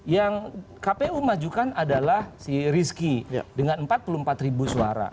yang kpu majukan adalah si rizky dengan empat puluh empat ribu suara